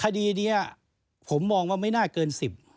คดีนี้ผมมองว่าไม่น่าเกิน๑๐